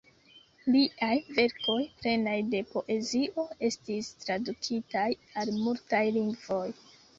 Liaj verkoj, plenaj de poezio, estis tradukitaj al multaj lingvoj.